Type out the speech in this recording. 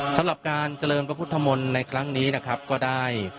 สำหรับการเจริญพระพุทธมนตร์ในครั้งนี้นะครับก็ได้